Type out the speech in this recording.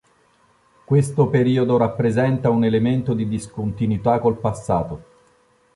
Questo periodo rappresenta un elemento di discontinuità col passato.